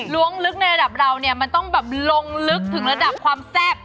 ้วงลึกในระดับเราเนี่ยมันต้องแบบลงลึกถึงระดับความแซ่บ